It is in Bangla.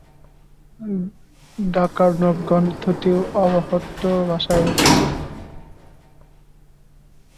ডাকার্ণব গ্রন্থটিও অবহট্ঠ ভাষায় রচিত।